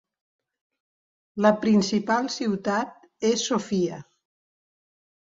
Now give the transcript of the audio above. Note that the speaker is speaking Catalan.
La principal ciutat és Sofia.